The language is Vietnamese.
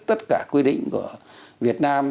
tất cả quy định của việt nam